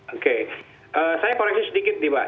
oke saya koreksi sedikit nih pak